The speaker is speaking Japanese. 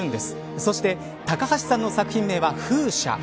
そして高橋さんの作品名は風車。